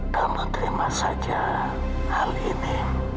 kami terima saja hal ini